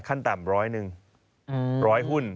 ขั้นต่ำร้อยหนึ่งร้อยหุ้น